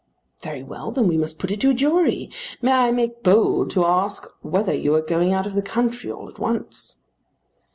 "Very well. Then we must put it to a jury. May I make bold to ask whether you are going out of the country all at once?"